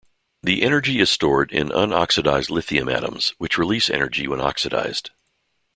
The energy is stored in unoxidised lithium atoms, which release energy when oxidised.